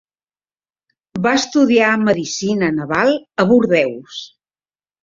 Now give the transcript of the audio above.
Va estudiar medicina naval a Bordeus.